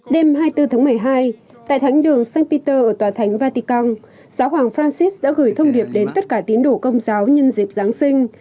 đêm hai mươi bốn tháng một mươi hai tại thánh đường st peter ở tòa thánh vatican giáo hoàng francis đã gửi thông điệp đến tất cả tiến đổ công giáo nhân dịp giáng sinh